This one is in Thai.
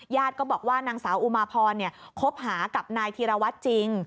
ก็บอกว่านางสาวอุมาพรคบหากับนายธีรวัตรจริง